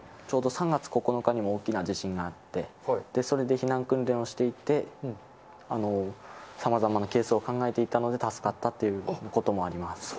ちょうど３月９日にも大きな地震があって、それで避難訓練をしていて、さまざまなケースを考えていたので助かったということもあります。